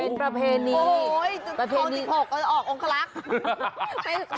เป็นประเพณีโอ๊ยครอง๑๖ออกองคลักษณ์